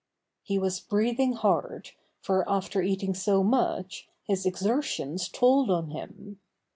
He was breathing hard, for after eating so much, his exertions told on him.